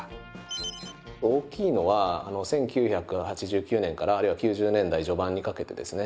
大きいのは１９８９年からあるいは９０年代序盤にかけてですね